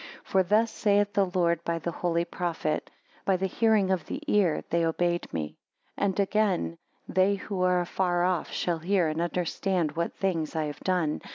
For thus saith the Lord by the holy prophet: By the hearing of the ear they obeyed me. 2 And again, They who are afar off, shall hear and understand what things I have done.